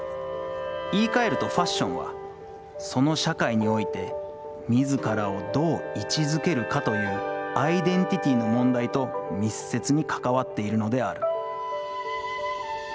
言い換えるとファッションは、その社会において自らをどう位置づけるかというアイデンティティの問題と密接に関わっているのである」。